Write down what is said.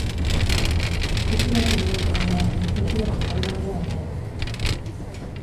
哲学入門は哲学概論ではない。